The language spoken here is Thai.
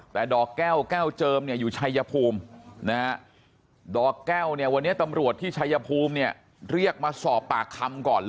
แต่ดอกแก้วแก้วเจิมเนี่ยอยู่ชายภูมินะฮะดอกแก้วเนี่ยวันนี้ตำรวจที่ชายภูมิเนี่ยเรียกมาสอบปากคำก่อน